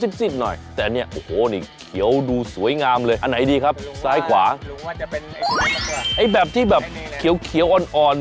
ดูสิ้นไหนแต่เนี่ยโหดูสวยงามเลยอันไหนดีครับซ้ายขวาไฟแบบที่แบบเขียวอ่อน